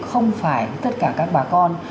không phải tất cả các bà con